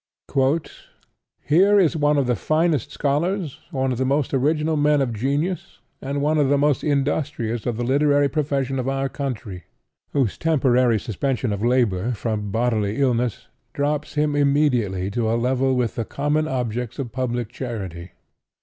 "Here is one of the finest scholars, one of the most original men of genius, and one of the most industrious of the literary profession of our country, whose temporary suspension of labor, from bodily illness, drops him immediately to a level with the common objects of public charity.